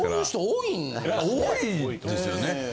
多いんですよね。